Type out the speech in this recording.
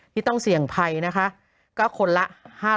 โหยวายโหยวายโหยวาย